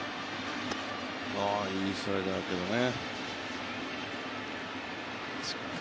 ああ、いいスライダーだけどね。